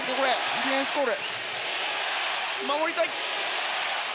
ディフェンスコール。